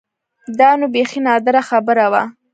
دا نو بيخي نادره خبره وه.